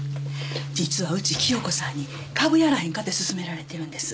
実はうち清子さんに株やらへんかって勧められてるんです。